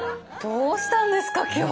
どうしたんですか今日！